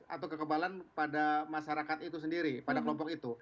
atau kekebalan pada masyarakat itu sendiri pada kelompok itu